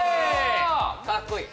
かっこいい！